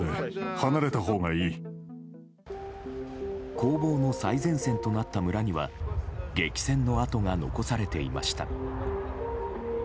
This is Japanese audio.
攻防の最前線となった村には激戦の跡が残されていました。